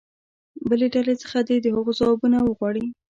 د بلې ډلې څخه دې د هغو ځوابونه وغواړي.